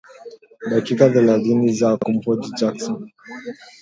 dakika thelathini za kumhoji Jackson